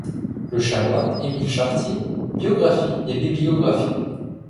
Le chanoine Émile Chartier, biographie et bibliographie.